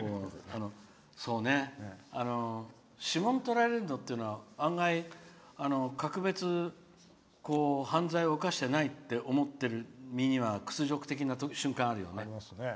指紋とられるのっていうのは案外、格別犯罪を犯してないって思ってる身には屈辱的な瞬間あるよね。